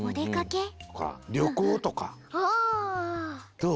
どう？